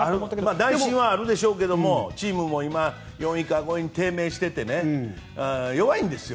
内心あるでしょうけどチームも４位か５位に低迷してて弱いんですよ。